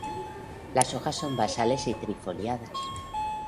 La hojas son basales y trifoliadas.